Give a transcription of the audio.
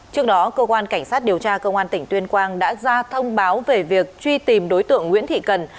trước đó cơ quan cảnh sát điều tra công an tỉnh tuyên quang đã ra thông báo về việc truy tìm đối tượng nguyễn thị cần